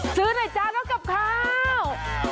ซื้อหน่อยจ้ารถกับข้าว